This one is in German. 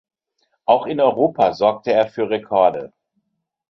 Auch in Europa sorgte er für Rekorde.